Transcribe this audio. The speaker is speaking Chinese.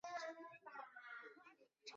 岩手县盛冈市出身。